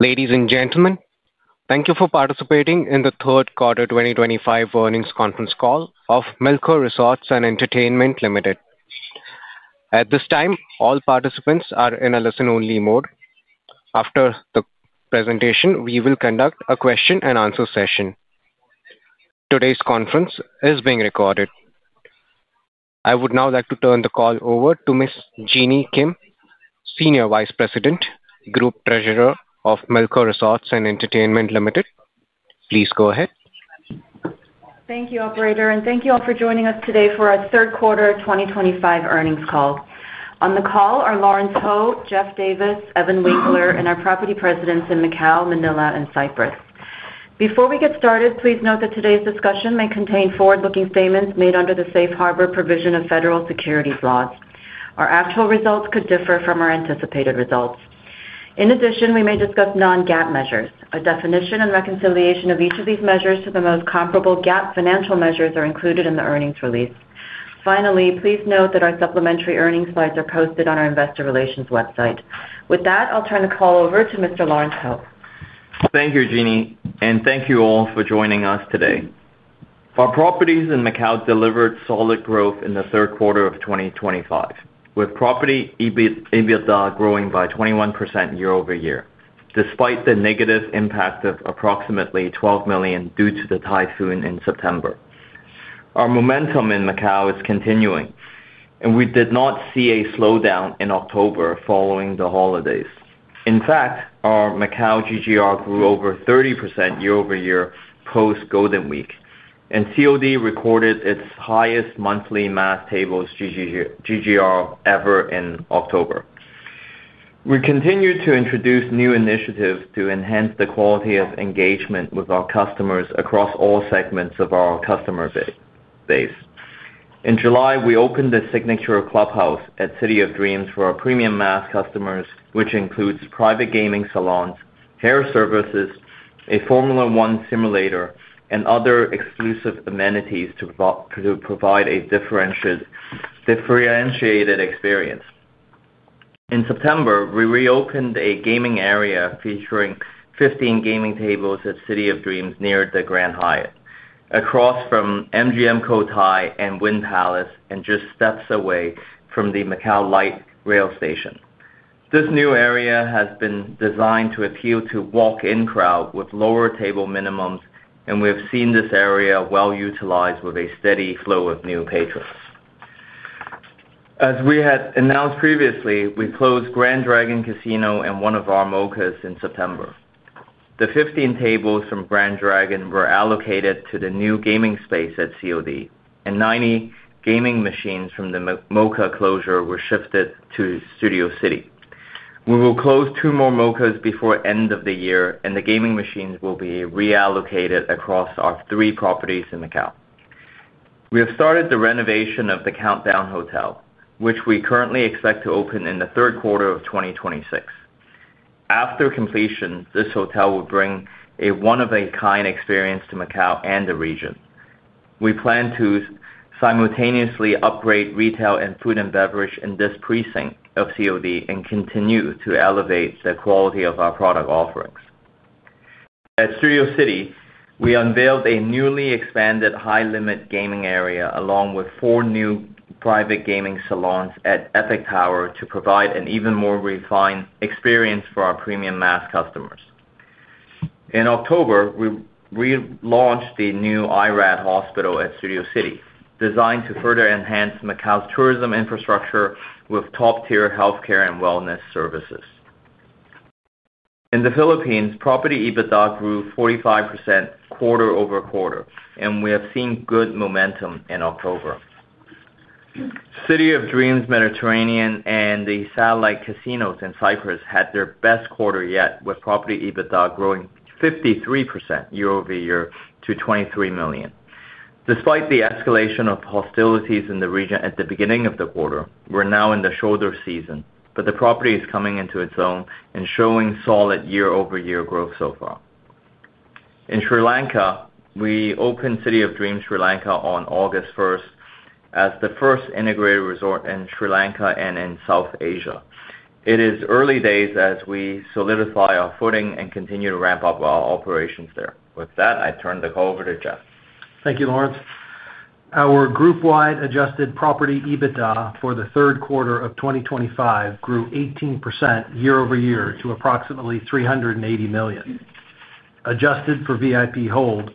Ladies and gentlemen, thank you for participating in the Third Quarter 2025 earnings conference call of Melco Resorts & Entertainment Limited. At this time, all participants are in a listen-only mode. After the presentation, we will conduct a question-and-answer session. Today's conference is being recorded. I would now like to turn the call over to Ms. Jeanny Kim, Senior Vice President, Group Treasurer of Melco Resorts & Entertainment Limited. Please go ahead. Thank you, Operator, and thank you all for joining us today for our Third Quarter 2025 earnings call. On the call are Lawrence Ho, Geoff Davis, Evan Winkler, and our property presidents in Macau, Manila, and Cyprus. Before we get started, please note that today's discussion may contain forward-looking statements made under the safe harbor provision of federal securities laws. Our actual results could differ from our anticipated results. In addition, we may discuss non-GAAP measures. A definition and reconciliation of each of these measures to the most comparable GAAP financial measures are included in the earnings release. Finally, please note that our supplementary earnings slides are posted on our investor relations website. With that, I'll turn the call over to Mr. Lawrence Ho. Thank you, Jeanny, and thank you all for joining us today. Our properties in Macau delivered solid growth in the third quarter of 2025, with Property EBITDA growing by 21% year-over-year, despite the negative impact of approximately $12 million due to the typhoon in September. Our momentum in Macau is continuing, and we did not see a slowdown in October following the holidays. In fact, our Macau GGR grew over 30% year-over-year post-Golden Week, and COD recorded its highest monthly mass tables GGR ever in October. We continue to introduce new initiatives to enhance the quality of engagement with our customers across all segments of our customer base. In July, we opened the Signature Clubhouse at City of Dreams for our premium mass customers, which includes private gaming salons, hair services, a Formula One simulator, and other exclusive amenities to provide a differentiated experience. In September, we reopened a gaming area featuring 15 gaming tables at City of Dreams near the Grand Hyatt, across from MGM Cotai and Wynn Palace, and just steps away from the Macau Light Rail Station. This new area has been designed to appeal to walk-in crowds with lower table minimums, and we have seen this area well utilized with a steady flow of new patrons. As we had announced previously, we closed Grand Dragon Casino and one of our Mocha Clubs in September. The 15 tables from Grand Dragon were allocated to the new gaming space at City of Dreams, and 90 gaming machines from the Mocha Clubs closure were shifted to Studio City. We will close two more Mocha Clubs before the end of the year, and the gaming machines will be reallocated across our three properties in Macau. We have started the renovation of the Countdown Hotel, which we currently expect to open in the third quarter of 2026. After completion, this hotel will bring a one-of-a-kind experience to Macau and the region. We plan to simultaneously upgrade retail and food and beverage in this precinct of COD and continue to elevate the quality of our product offerings. At Studio City, we unveiled a newly expanded high-limit gaming area along with four new private gaming salons at Epic Tower to provide an even more refined experience for our premium mass customers. In October, we relaunched the new iRad Hospital at Studio City, designed to further enhance Macau's tourism infrastructure with top-tier healthcare and wellness services. In the Philippines, Property EBITDA grew 45% quarter-over-quarter, and we have seen good momentum in October. City of Dreams Mediterranean and the satellite casinos in Cyprus had their best quarter yet, with Property EBITDA growing 53% year-over-year to $23 million. Despite the escalation of hostilities in the region at the beginning of the quarter, we are now in the shoulder season, but the property is coming into its own and showing solid year-over-year growth so far. In Sri Lanka, we opened City of Dreams Sri Lanka on August 1st as the first integrated resort in Sri Lanka and in South Asia. It is early days as we solidify our footing and continue to ramp up our operations there. With that, I turn the call over to Geoff. Thank you, Lawrence. Our group-wide adjusted Property EBITDA for the third quarter of 2025 grew 18% year-over-year to approximately $380 million. Adjusted for VIP Hold,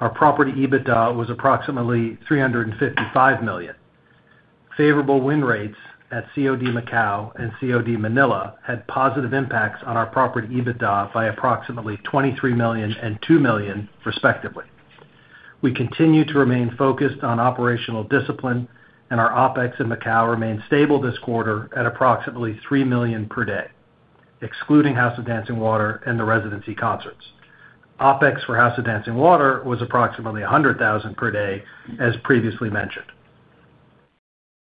our Property EBITDA was approximately $355 million. Favorable win rates at COD Macau and COD Manila had positive impacts on our Property EBITDA by approximately $23 million and $2 million, respectively. We continue to remain focused on operational discipline, and our OPEX in Macau remained stable this quarter at approximately $3 million per day, excluding House of Dancing Water and the residency concerts. OPEX for House of Dancing Water was approximately $100,000 per day, as previously mentioned.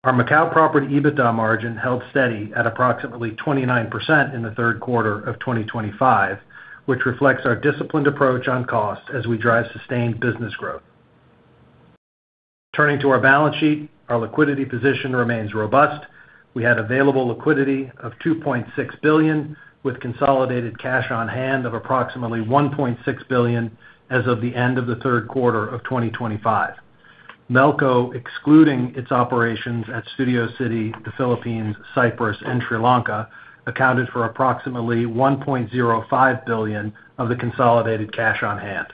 Our Macau Property EBITDA margin held steady at approximately 29% in the third quarter of 2025, which reflects our disciplined approach on costs as we drive sustained business growth. Turning to our balance sheet, our liquidity position remains robust. We had available liquidity of $2.6 billion, with consolidated cash on hand of approximately $1.6 billion as of the end of the third quarter of 2025. Melco, excluding its operations at Studio City, the Philippines, Cyprus, and Sri Lanka, accounted for approximately $1.05 billion of the consolidated cash on hand.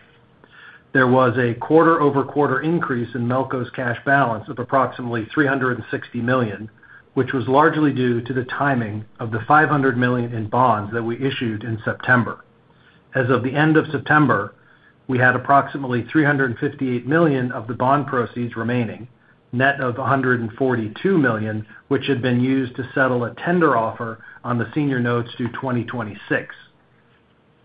There was a quarter-over-quarter increase in Melco's cash balance of approximately $360 million, which was largely due to the timing of the $500 million in bonds that we issued in September. As of the end of September, we had approximately $358 million of the bond proceeds remaining, net of $142 million, which had been used to settle a tender offer on the senior notes due 2026.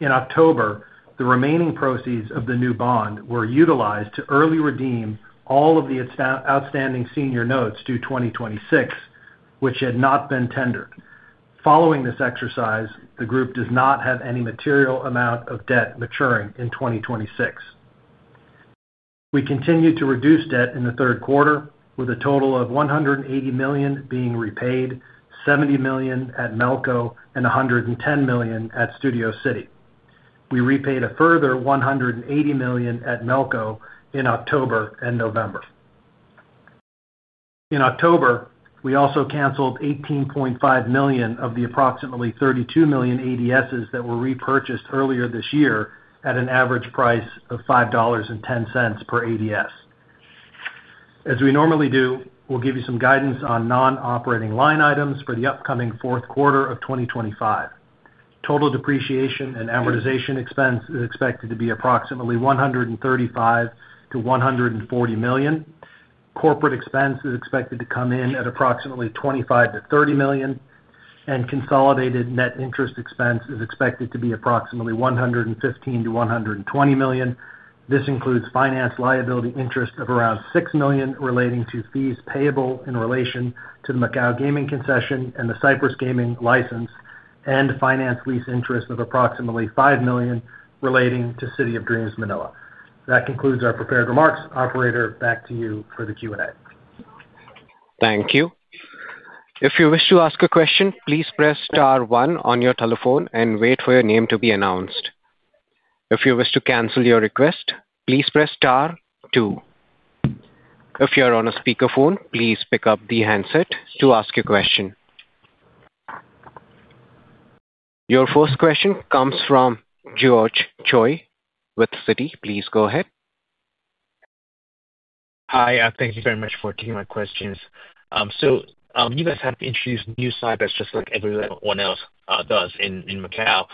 In October, the remaining proceeds of the new bond were utilized to early redeem all of the outstanding senior notes due 2026, which had not been tendered. Following this exercise, the group does not have any material amount of debt maturing in 2026. We continue to reduce debt in the third quarter, with a total of $180 million being repaid, $70 million at Melco, and $110 million at Studio City. We repaid a further $180 million at Melco in October and November. In October, we also canceled 18.5 million of the approximately 32 million ADSs that were repurchased earlier this year at an average price of $5.10 per ADS. As we normally do, we'll give you some guidance on non-operating line items for the upcoming fourth quarter of 2025. Total depreciation and amortization expense is expected to be approximately $135 million-$140 million. Corporate expense is expected to come in at approximately $25 million-$30 million, and consolidated net interest expense is expected to be approximately $115 million-$120 million. This includes finance liability interest of around $6 million relating to fees payable in relation to the Macau Gaming Concession and the Cyprus Gaming License, and finance lease interest of approximately $5 million relating to City of Dreams Manila. That concludes our prepared remarks. Operator, back to you for the Q and A. Thank you. If you wish to ask a question, please press star one on your telephone and wait for your name to be announced. If you wish to cancel your request, please press star two. If you're on a speakerphone, please pick up the handset to ask your question. Your first question comes from George Choi with Citi. Please go ahead. Hi, thank you very much for taking my questions. You guys have introduced new cyber, just like everyone else does in Macau,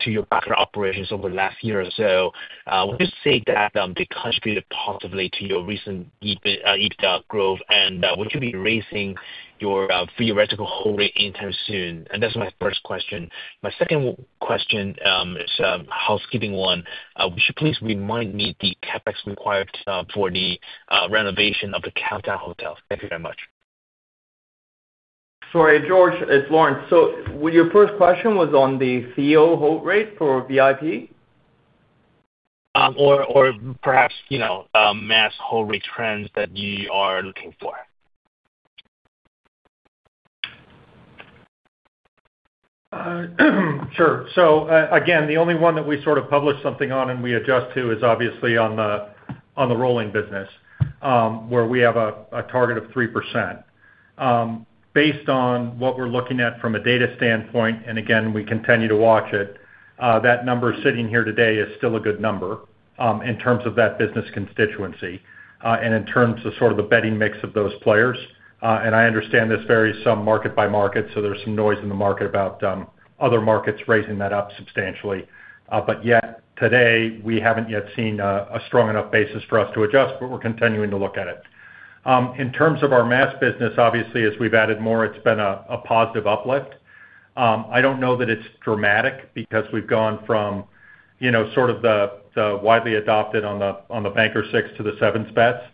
to your background operations over the last year or so. Would you say that they contributed positively to your recent EBITDA growth, and would you be raising your theoretical hold rate anytime soon? That is my first question. My second question is a housekeeping one. Would you please remind me the CapEx required for the renovation of the Countdown Hotel? Thank you very much. Sorry, George, it's Lawrence. Your first question was on the CO hold rate for VIP? Or perhaps mass hold rate trends that you are looking for? Sure. Again, the only one that we sort of publish something on and we adjust to is obviously on the rolling business, where we have a target of 3%. Based on what we're looking at from a data standpoint, and again, we continue to watch it, that number sitting here today is still a good number. In terms of that business constituency and in terms of sort of the betting mix of those players. I understand this varies some market by market, so there's some noise in the market about other markets raising that up substantially. Yet today, we haven't yet seen a strong enough basis for us to adjust, but we're continuing to look at it. In terms of our mass business, obviously, as we've added more, it's been a positive uplift. I don't know that it's dramatic because we've gone from. Sort of the widely adopted on the Banker Six to the Seven Specs.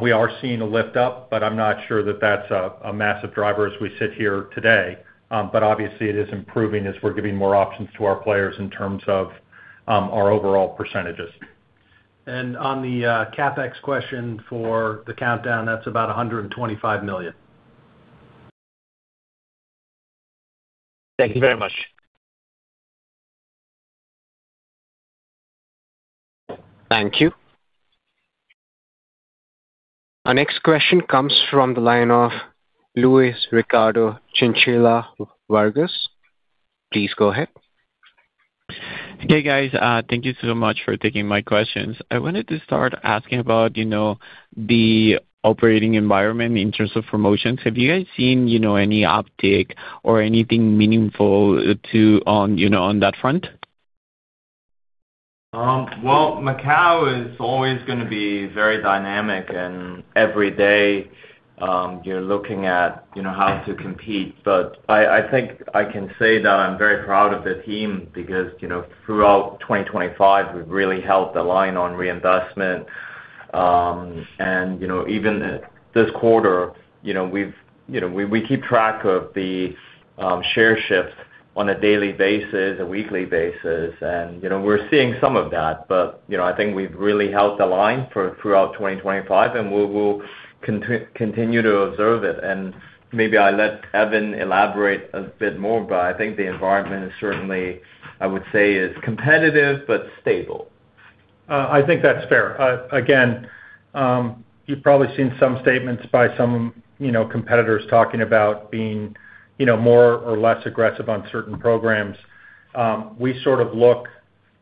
We are seeing a lift up, but I'm not sure that that's a massive driver as we sit here today. Obviously, it is improving as we're giving more options to our players in terms of our overall percentages. On the CapEx question for the Countdown, that's about $125 million. Thank you very much. Thank you. Our next question comes from the line of Luis Ricardo Chinchilla Vargas. Please go ahead. Hey, guys. Thank you so much for taking my questions. I wanted to start asking about the operating environment in terms of promotions. Have you guys seen any uptick or anything meaningful on that front? Macau is always going to be very dynamic, and every day you're looking at how to compete. I think I can say that I'm very proud of the team because throughout 2025, we've really held the line on reinvestment. Even this quarter, we keep track of the share shift on a daily basis, a weekly basis. We're seeing some of that, but I think we've really held the line throughout 2025, and we will continue to observe it. Maybe I let Evan elaborate a bit more, but I think the environment is certainly, I would say, is competitive but stable. I think that's fair. Again, you've probably seen some statements by some competitors talking about being more or less aggressive on certain programs. We sort of look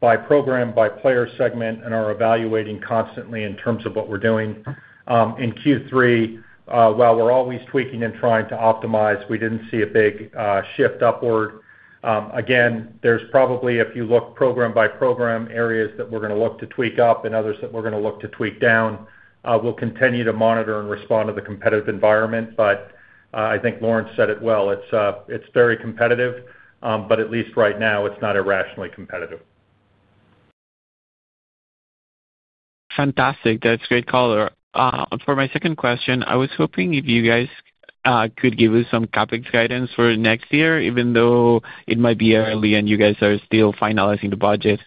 by program, by player segment, and are evaluating constantly in terms of what we're doing. In Q3, while we're always tweaking and trying to optimize, we didn't see a big shift upward. Again, there's probably, if you look program by program, areas that we're going to look to tweak up and others that we're going to look to tweak down. We'll continue to monitor and respond to the competitive environment, but I think Lawrence said it well. It's very competitive, but at least right now, it's not irrationally competitive. Fantastic. That's great color. For my second question, I was hoping if you guys could give us some CapEx guidance for next year, even though it might be early and you guys are still finalizing the budget.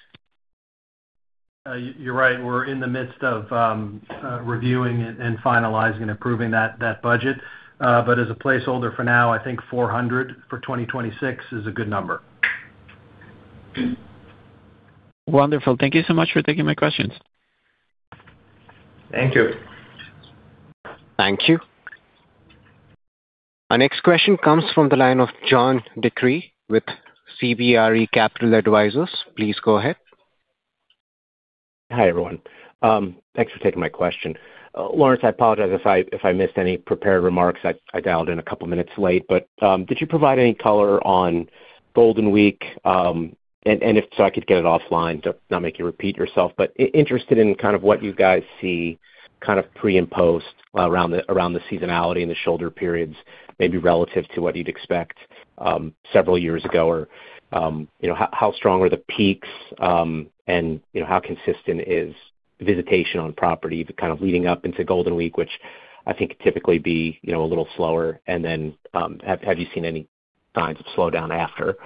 You're right. We're in the midst of reviewing and finalizing and approving that budget. As a placeholder for now, I think $400 million for 2026 is a good number. Wonderful. Thank you so much for taking my questions. Thank you. Thank you. Our next question comes from the line of John DeCree with CBRE Capital Advisors. Please go ahead. Hi everyone. Thanks for taking my question. Lawrence, I apologize if I missed any prepared remarks. I dialed in a couple of minutes late, but did you provide any color on Golden Week? If so, I could get it offline to not make you repeat yourself, but interested in kind of what you guys see kind of pre and post around the seasonality and the shoulder periods, maybe relative to what you'd expect several years ago. How strong are the peaks, and how consistent is visitation on property kind of leading up into Golden Week, which I think typically would be a little slower? Have you seen any signs of slowdown after?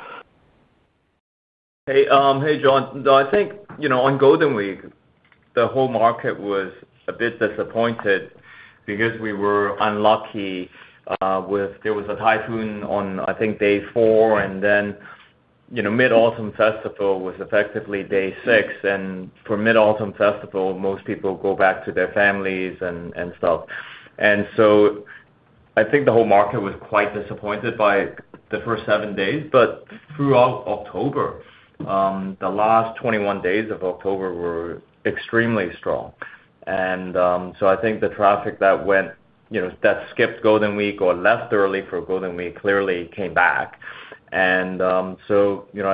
Hey, John. I think on Golden Week, the whole market was a bit disappointed because we were unlucky. There was a typhoon on, I think, day four, and then Mid-Autumn Festival was effectively day six. For Mid-Autumn Festival, most people go back to their families and stuff. I think the whole market was quite disappointed by the first seven days. Throughout October, the last 21 days of October were extremely strong. I think the traffic that went, that skipped Golden Week or left early for Golden Week clearly came back. I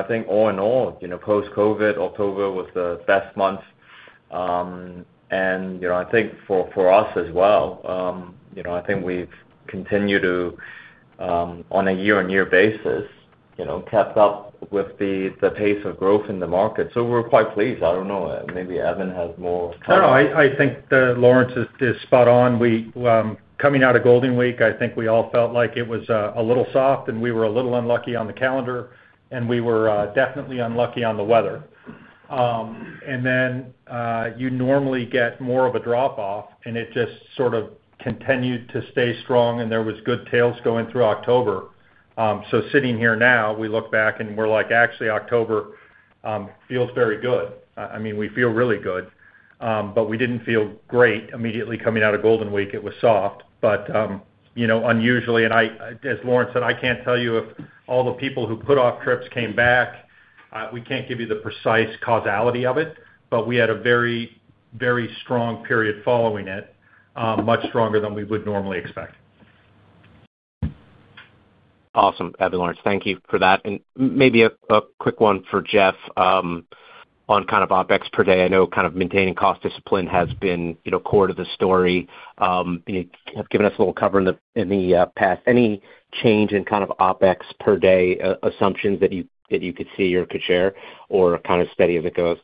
think all in all, post-COVID, October was the best month. I think for us as well, I think we've continued to, on a year-on-year basis, kept up with the pace of growth in the market. We're quite pleased. I don't know. Maybe Evan has more comments. No, no. I think Lawrence is spot on. Coming out of Golden Week, I think we all felt like it was a little soft and we were a little unlucky on the calendar, and we were definitely unlucky on the weather. You normally get more of a drop-off, and it just sort of continued to stay strong, and there were good tales going through October. Sitting here now, we look back and we are like, actually, October feels very good. I mean, we feel really good. We did not feel great immediately coming out of Golden Week. It was soft, but unusually. As Lawrence said, I cannot tell you if all the people who put off trips came back. We cannot give you the precise causality of it, but we had a very, very strong period following it, much stronger than we would normally expect. Awesome. Evan, Lawrence, thank you for that. Maybe a quick one for Geoff. On kind of OpEx per day. I know kind of maintaining cost discipline has been core to the story. You have given us a little cover in the past. Any change in kind of OpEx per day assumptions that you could see or could share or kind of steady as it goes?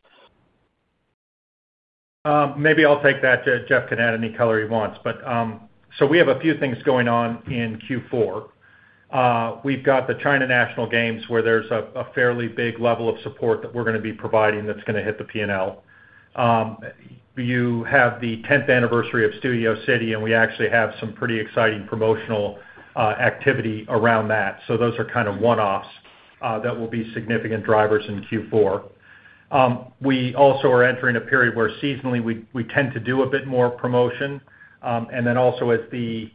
Maybe I'll take that. Geoff can add any color he wants. We have a few things going on in Q4. We have the China National Games, where there is a fairly big level of support that we are going to be providing that is going to hit the P&L. You have the 10th anniversary of Studio City, and we actually have some pretty exciting promotional activity around that. Those are kind of one-offs that will be significant drivers in Q4. We also are entering a period where seasonally, we tend to do a bit more promotion. Also, as the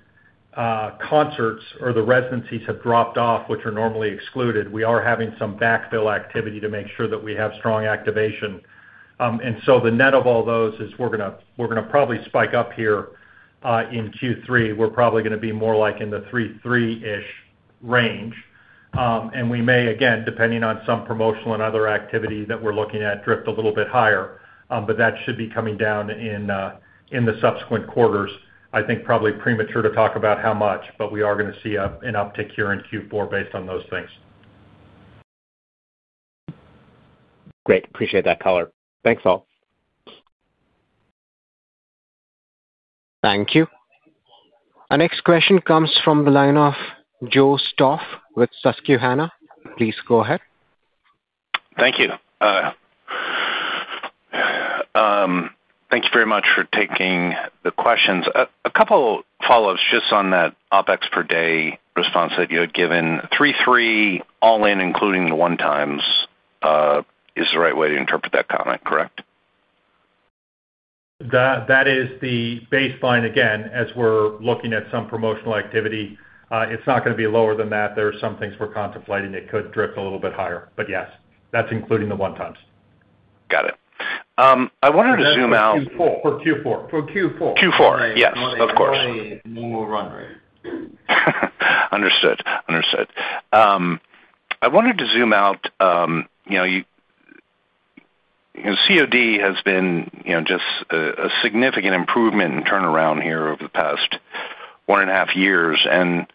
concerts or the residencies have dropped off, which are normally excluded, we are having some backfill activity to make sure that we have strong activation. The net of all those is we are going to probably spike up here in Q3. We're probably going to be more like in the 3.3-ish range. We may, again, depending on some promotional and other activity that we're looking at, drift a little bit higher. That should be coming down in the subsequent quarters. I think probably premature to talk about how much, but we are going to see an uptick here in Q4 based on those things. Great. Appreciate that color. Thanks, all. Thank you. Our next question comes from the line of Joe Stauff with Susquehanna. Please go ahead. Thank you. Thank you very much for taking the questions. A couple of follow-ups just on that OpEx per day response that you had given. 3.3 all in, including the one times. Is the right way to interpret that comment, correct? That is the baseline again. As we're looking at some promotional activity, it's not going to be lower than that. There are some things we're contemplating that could drift a little bit higher. Yes, that's including the one times. Got it. I wanted to zoom out. For Q4. For Q4. Q4, yes, of course. Run rate. Understood. Understood. I wanted to zoom out. COD has been just a significant improvement in turnaround here over the past one and a half years. And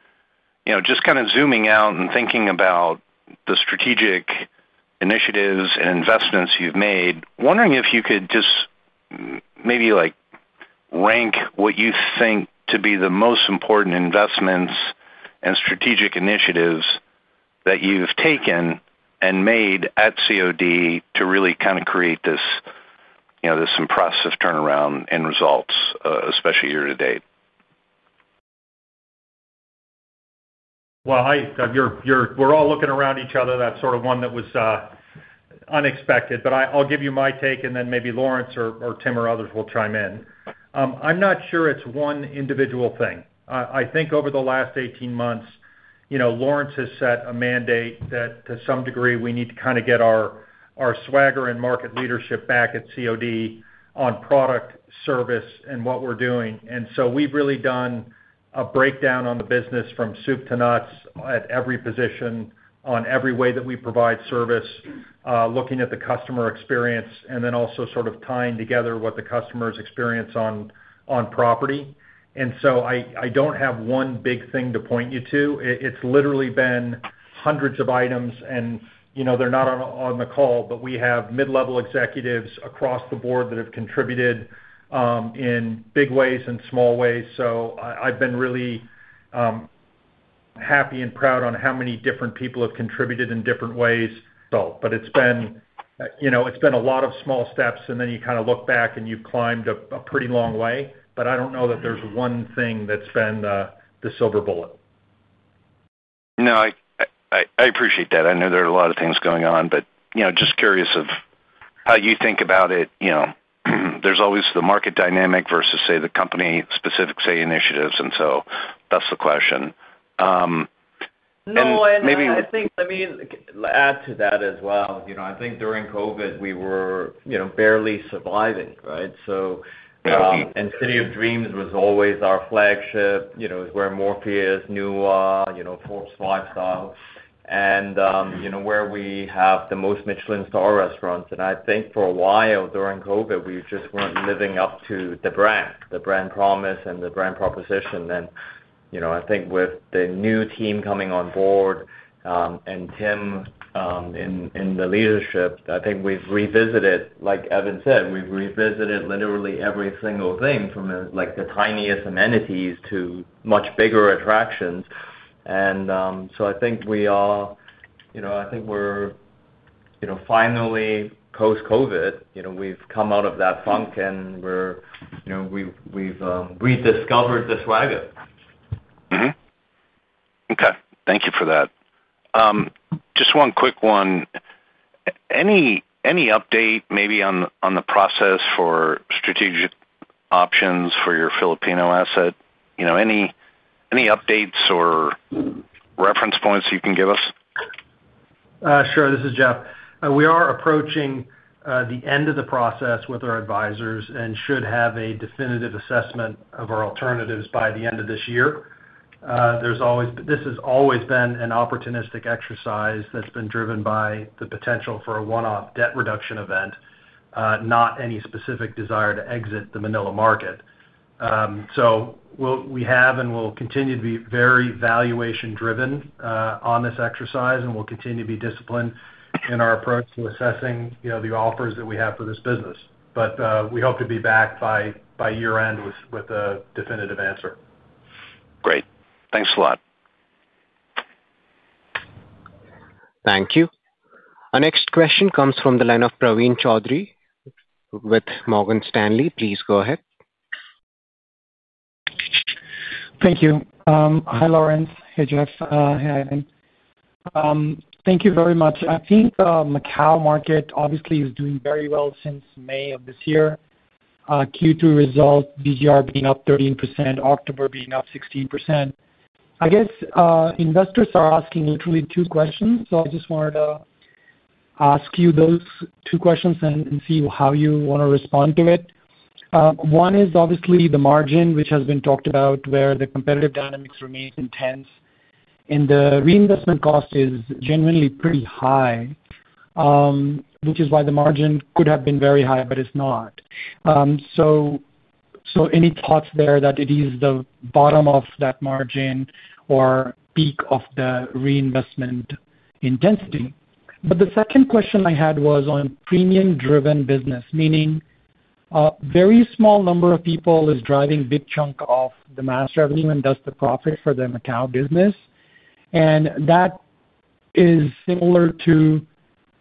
just kind of zooming out and thinking about the strategic initiatives and investments you've made, wondering if you could just maybe rank what you think to be the most important investments and strategic initiatives that you've taken and made at COD to really kind of create this impressive turnaround and results, especially year to date? Hi. We're all looking around each other. That is sort of one that was unexpected. I'll give you my take, and then maybe Lawrence or Tim or others will chime in. I'm not sure it's one individual thing. I think over the last 18 months, Lawrence has set a mandate that to some degree, we need to kind of get our swagger and market leadership back at COD on product, service, and what we're doing. We have really done a breakdown on the business from soup to nuts at every position, in every way that we provide service, looking at the customer experience, and then also sort of tying together what the customer's experience is on property. I do not have one big thing to point you to. It's literally been hundreds of items, and they're not on the call, but we have mid-level executives across the board that have contributed in big ways and small ways. I've been really happy and proud on how many different people have contributed in different ways. It's been a lot of small steps, and then you kind of look back and you've climbed a pretty long way. I don't know that there's one thing that's been the silver bullet. No, I appreciate that. I know there are a lot of things going on, but just curious of how you think about it. There is always the market dynamic versus, say, the company-specific initiatives. That is the question. Maybe. No, and I think, I mean, add to that as well. I think during COVID, we were barely surviving, right? City of Dreams was always our flagship. It's where Morpheus, Nua, Forbes 5-star, and where we have the most Michelin star restaurants. I think for a while during COVID, we just weren't living up to the brand, the brand promise, and the brand proposition. I think with the new team coming on board, and Tim in the leadership, I think we've revisited, like Evan said, we've revisited literally every single thing from the tiniest amenities to much bigger attractions. I think we are, I think we're finally, post-COVID, we've come out of that funk and we've rediscovered the swagger. Okay. Thank you for that. Just one quick one. Any update maybe on the process for strategic options for your Filipino asset? Any updates or reference points you can give us? Sure. This is Geoff. We are approaching the end of the process with our advisors and should have a definitive assessment of our alternatives by the end of this year. This has always been an opportunistic exercise that's been driven by the potential for a one-off debt reduction event. Not any specific desire to exit the Manila market. We have and will continue to be very valuation-driven on this exercise, and we'll continue to be disciplined in our approach to assessing the offers that we have for this business. We hope to be back by year-end with a definitive answer. Great. Thanks a lot. Thank you. Our next question comes from the line of Praveen Choudhary with Morgan Stanley. Please go ahead. Thank you. Hi, Lawrence. Hey, Geoff. Hey, Evan. Thank you very much. I think Macau market obviously is doing very well since May of this year. Q2 results, GGR being up 13%, October being up 16%. I guess investors are asking literally two questions. I just wanted to ask you those two questions and see how you want to respond to it. One is obviously the margin, which has been talked about, where the competitive dynamics remain intense. The reinvestment cost is genuinely pretty high, which is why the margin could have been very high, but it is not. Any thoughts there that it is the bottom of that margin or peak of the reinvestment intensity? The second question I had was on premium-driven business, meaning. A very small number of people is driving a big chunk of the mass revenue and does the profit for the Macau business. That is similar to,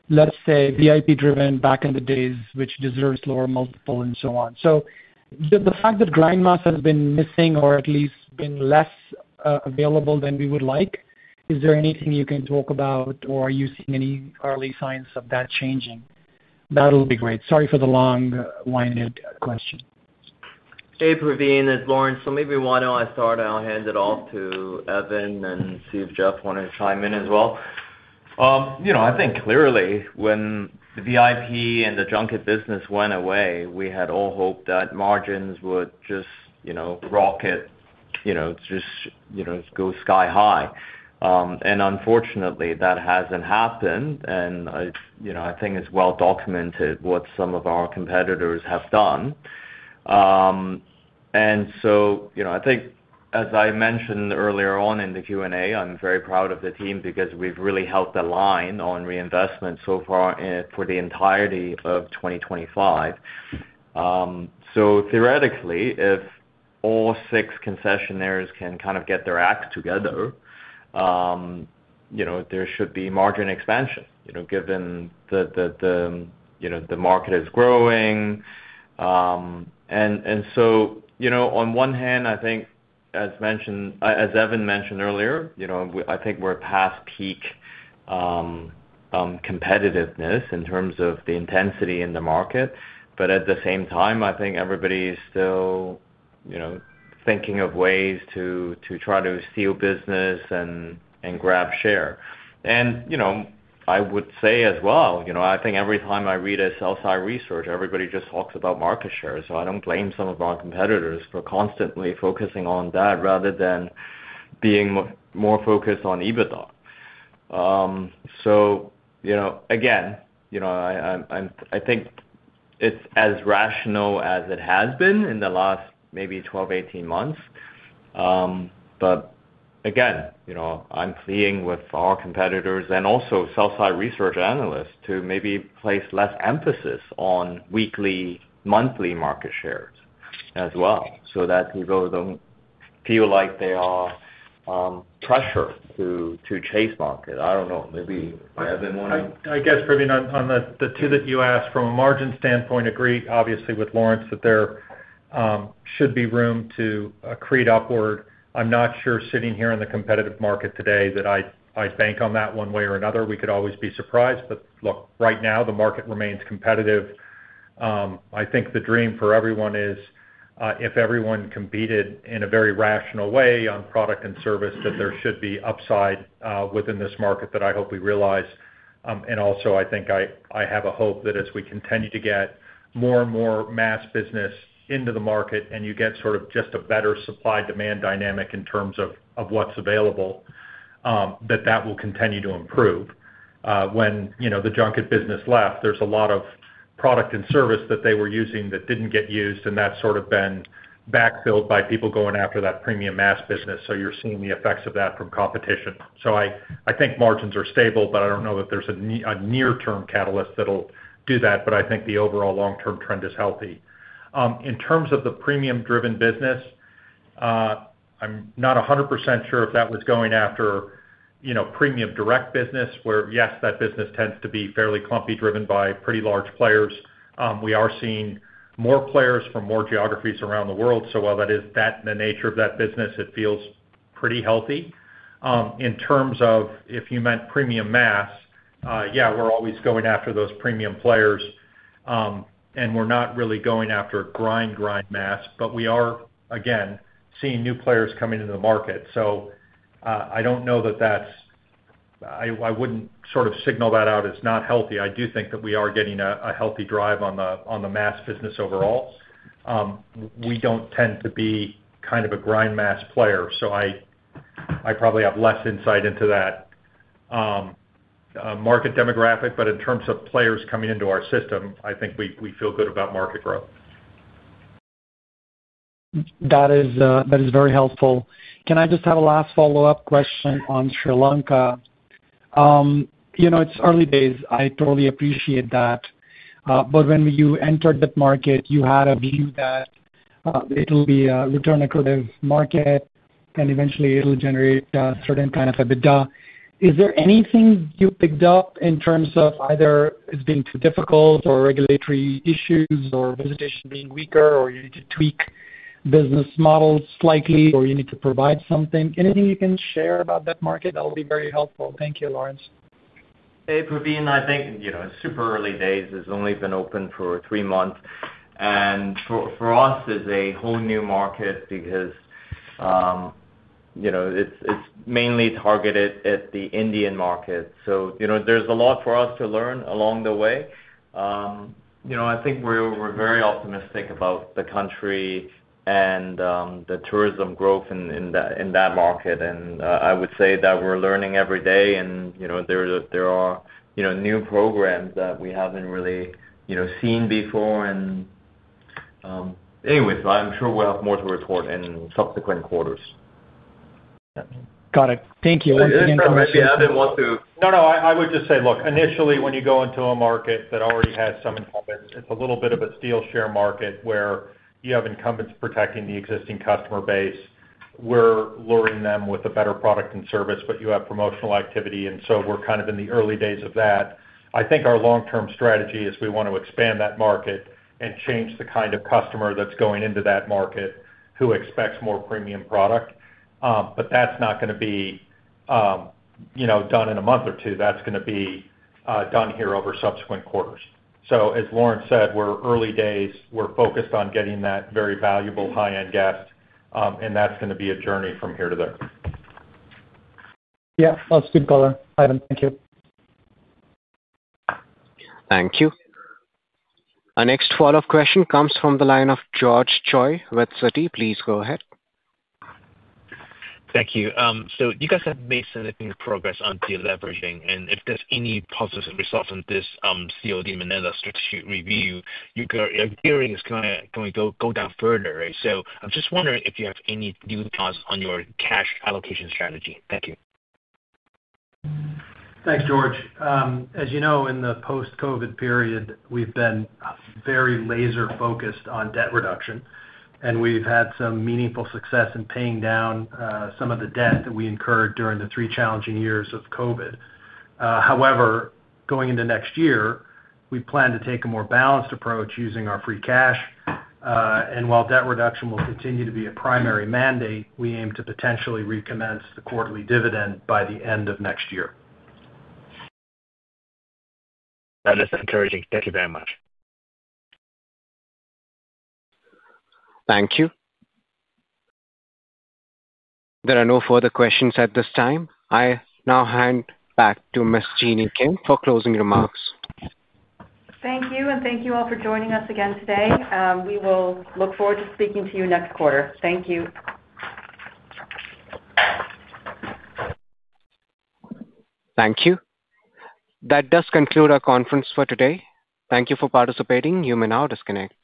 let's say, VIP-driven back in the days, which deserves lower multiple and so on. The fact that grind mass has been missing or at least been less available than we would like, is there anything you can talk about, or are you seeing any early signs of that changing? That'll be great. Sorry for the long-winded question. Hey, Praveen. It's Lawrence. Maybe why don't I start? I'll hand it off to Evan and see if Geoff wanted to chime in as well. I think clearly, when the VIP and the junket business went away, we had all hoped that margins would just rocket, just go sky high. Unfortunately, that hasn't happened. I think it's well documented what some of our competitors have done. I think, as I mentioned earlier on in the Q&A, I'm very proud of the team because we've really helped align on reinvestment so far for the entirety of 2025. Theoretically, if all six concessioners can kind of get their acts together, there should be margin expansion given the market is growing. On one hand, I think, as Evan mentioned earlier, I think we're past peak competitiveness in terms of the intensity in the market. At the same time, I think everybody is still thinking of ways to try to steal business and grab share. I would say as well, I think every time I read a sell-side research, everybody just talks about market share. I do not blame some of our competitors for constantly focusing on that rather than being more focused on EBITDA. Again, I think it is as rational as it has been in the last maybe 12-18 months. Again, I am pleading with our competitors and also sell-side research analysts to maybe place less emphasis on weekly, monthly market shares as well so that people do not feel like they are pressured to chase market. I do not know. Maybe Evan wanted to. I guess, Praveen, on the two that you asked, from a margin standpoint, agree obviously with Lawrence that there should be room to create upward. I'm not sure sitting here in the competitive market today that I'd bank on that one way or another. We could always be surprised. Right now, the market remains competitive. I think the dream for everyone is if everyone competed in a very rational way on product and service, that there should be upside within this market that I hope we realize. I also think I have a hope that as we continue to get more and more mass business into the market and you get sort of just a better supply-demand dynamic in terms of what's available, that that will continue to improve. When the junket business left, there's a lot of product and service that they were using that did not get used, and that's sort of been backfilled by people going after that premium mass business. You are seeing the effects of that from competition. I think margins are stable, but I do not know that there is a near-term catalyst that will do that. I think the overall long-term trend is healthy. In terms of the premium-driven business, I am not 100% sure if that was going after premium direct business, where yes, that business tends to be fairly clumpy, driven by pretty large players. We are seeing more players from more geographies around the world. While that is the nature of that business, it feels pretty healthy. In terms of if you meant premium mass, yeah, we are always going after those premium players. We're not really going after grind mass, but we are, again, seeing new players coming into the market. I don't know that that's—I wouldn't sort of signal that out as not healthy. I do think that we are getting a healthy drive on the mass business overall. We don't tend to be kind of a grind mass player. I probably have less insight into that market demographic, but in terms of players coming into our system, I think we feel good about market growth. That is very helpful. Can I just have a last follow-up question on Sri Lanka? It's early days. I totally appreciate that. When you entered that market, you had a view that it'll be a return-accretive market, and eventually, it'll generate a certain kind of EBITDA. Is there anything you picked up in terms of either it's been too difficult or regulatory issues or visitation being weaker, or you need to tweak business models slightly, or you need to provide something? Anything you can share about that market? That'll be very helpful. Thank you, Lawrence. Hey, Praveen. I think it's super early days. It's only been open for three months. For us, it's a whole new market because it's mainly targeted at the Indian market. There is a lot for us to learn along the way. I think we're very optimistic about the country and the tourism growth in that market. I would say that we're learning every day, and there are new programs that we haven't really seen before. Anyway, I'm sure we'll have more to report in subsequent quarters. Got it. Thank you. Once again, Praveen. Yeah, and I would actually add in what to—no, no. I would just say, look, initially, when you go into a market that already has some incumbents, it's a little bit of a steel share market where you have incumbents protecting the existing customer base. We're luring them with a better product and service, but you have promotional activity. We're kind of in the early days of that. I think our long-term strategy is we want to expand that market and change the kind of customer that's going into that market who expects more premium product. That's not going to be done in a month or two. That's going to be done here over subsequent quarters. As Lawrence said, we're early days. We're focused on getting that very valuable high-end guest, and that's going to be a journey from here to there. Yeah. That's good, color. Evan, thank you. Thank you. Our next follow-up question comes from the line of George Choi with Citi. Please go ahead. Thank you. You guys have made significant progress on de-leveraging. If there are any positive results from this COD Manila strategic review, your gearing is going to go down further, right? I am just wondering if you have any new thoughts on your cash allocation strategy. Thank you. Thanks, George. As you know, in the post-COVID period, we've been very laser-focused on debt reduction, and we've had some meaningful success in paying down some of the debt that we incurred during the three challenging years of COVID. However, going into next year, we plan to take a more balanced approach using our free cash. While debt reduction will continue to be a primary mandate, we aim to potentially recommence the quarterly dividend by the end of next year. That is encouraging. Thank you very much. Thank you. There are no further questions at this time. I now hand back to Ms. Jeanny Kim for closing remarks. Thank you. Thank you all for joining us again today. We will look forward to speaking to you next quarter. Thank you. Thank you. That does conclude our conference for today. Thank you for participating. You may now disconnect.